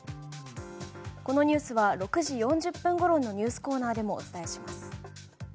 このニュースは６時４０分ごろのニュースコーナーでもお伝えします。